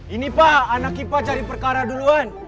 ini pak anak kita cari perkara duluan